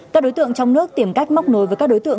các đối tượng trong nước tìm cách móc nối với các đối tượng